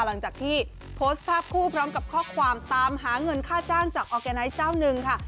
หลังจากที่โพสต์ภาพคู่พร้อมกับข้อความตามหาเงินค่าจ้างจากออร์แกไนท์เจ้าหนึ่งค่ะ